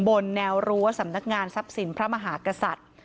บนแนวรั้วสำนักงานทรัพย์สินพระมหากษัตริย์